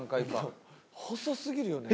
細すぎるよね